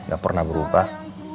gak pernah berubah